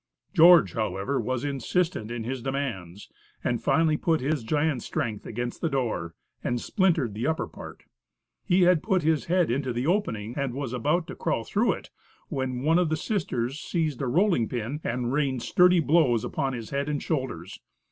George, however, was insistent in his demands, and finally put his giant strength against the door, and splintered the upper part. He had put his head into the opening, and was about to crawl through it, when one of the sisters seized a rolling pin, and rained sturdy blows upon his head and shoulders.